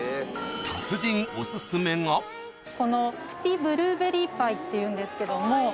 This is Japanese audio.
このプティブルーベリーパイっていうんですけども。